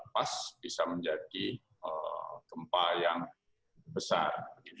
pas bisa menjadi gempa yang besar